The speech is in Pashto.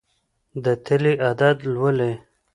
د تلې عدد لولي.